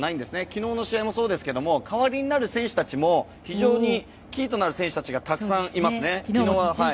昨日の試合もそうですけど代わりになる選手たちも非常にキーとなる選手たちがたくさんいますね。